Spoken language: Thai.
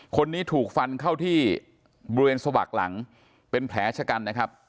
คนนี้ถูกฟันเข้าที่บริเวณสวักหลังเป็นแผลชะกันนะครับ